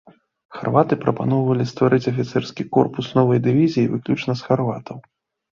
Харваты прапаноўвалі стварыць афіцэрскі корпус новай дывізіі выключна з харватаў.